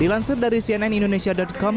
dilansir dari cnn indonesia com